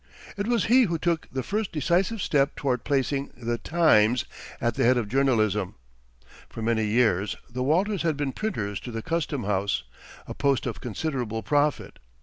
It was he who took the first decisive step toward placing "The Times" at the head of journalism. For many years the Walters had been printers to the custom house, a post of considerable profit.